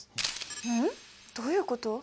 うん？どういうこと？